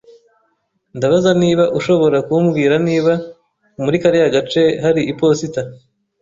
Ndabaza niba ushobora kumbwira niba muri kariya gace hari iposita.